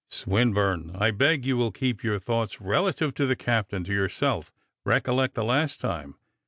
"Swinburne, I beg you will keep your thoughts relative to the captain to yourself; recollect the last time.